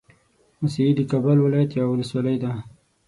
موسهي د کابل ولايت يوه ولسوالۍ ده